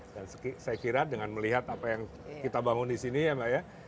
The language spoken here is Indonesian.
dan saya kira dengan melihat apa yang kita bangun di sini ya mbak ya